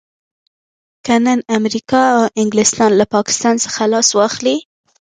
که نن امريکا او انګلستان له پاکستان څخه لاس واخلي.